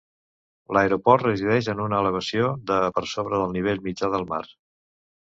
L'aeroport resideix en una elevació de per sobre del nivell mitjà del mar.